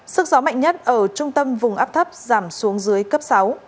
sức gió mạnh nhất ở trung tâm vùng áp thấp giảm xuống dưới cấp sáu